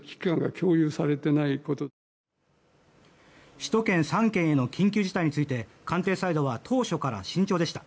首都圏３県への緊急事態について官邸サイドは当初から慎重でした。